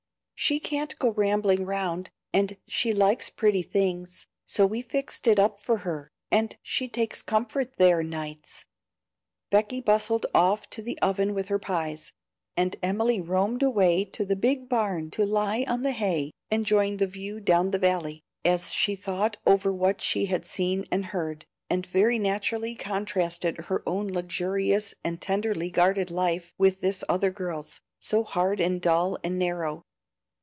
She can't go rambling round, and she likes pretty things, so we fixed it up for her, and she takes comfort there nights." Becky bustled off to the oven with her pies, and Emily roamed away to the big barn to lie on the hay, enjoying the view down the valley, as she thought over what she had seen and heard, and very naturally contrasted her own luxurious and tenderly guarded life with this other girl's, so hard and dull and narrow.